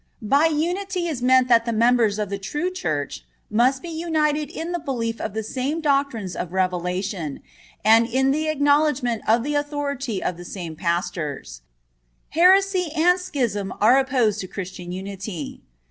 By unity is meant that the members of the true Church must be united in the belief of the same doctrines of revelation, and in the acknowledgment of the authority of the same pastors. Heresy and schism are opposed to Christian unity.